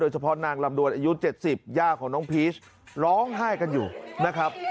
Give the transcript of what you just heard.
เฉพาะนางลำดวนอายุ๗๐ย่าของน้องพีชร้องไห้กันอยู่นะครับ